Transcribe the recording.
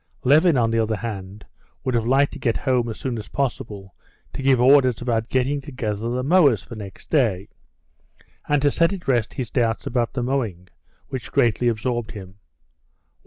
Levin, on the other hand, would have liked to get home as soon as possible to give orders about getting together the mowers for next day, and to set at rest his doubts about the mowing, which greatly absorbed him.